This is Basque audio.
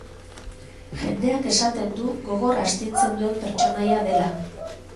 Jendeak esaten du gogor astintzen duen pertsonaia dela.